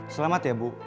selamat ya bu